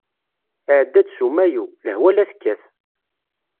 Iɛedda-d s umayu, lehwa la tekkat.